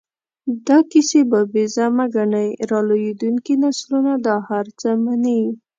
دا کیسې بابیزه مه ګڼئ، را لویېدونکي نسلونه دا هر څه مني.